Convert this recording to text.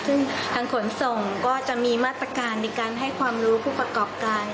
ซึ่งทางขนส่งก็จะมีมาตรการในการให้ความรู้ผู้ประกอบการ